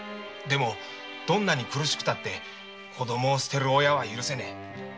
でもどんなに苦しくても子供を捨てる親は許せねえ。